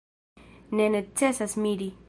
Ne necesas miri.